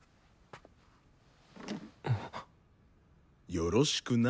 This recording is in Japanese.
よろしくな。